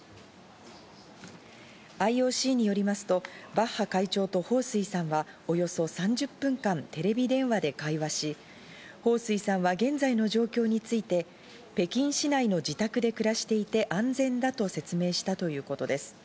ＩＯＣによりますとバッハ会長とホウ・スイさんはおよそ３０分間テレビ電話で会話し、ホウ・スイさんは現在の状況について北京市内の自宅で暮らしていて安全だと説明したということです。